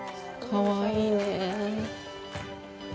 かわいいねぇ。